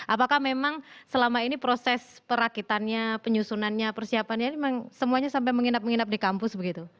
apakah memang selama ini proses perakitannya penyusunannya persiapannya memang semuanya sampai menginap menginap di kampus begitu